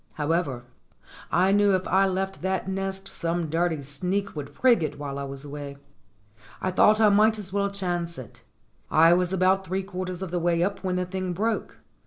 However, I knew if I left that nest some dirty sneak would prig it while I was away. I thought I might as well chance it. I was about three quarters of the way up when the thing broke.